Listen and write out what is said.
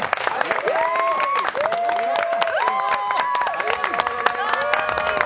ありがとうございます。